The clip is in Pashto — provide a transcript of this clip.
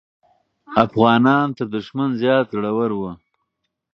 افغانان تر دښمن زیات زړور وو.